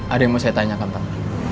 ada yang mau saya tanyakan tadi